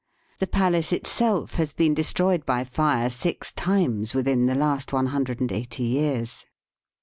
The palace itseK has been destroyed by fire six times within the last one hundred and eighty years.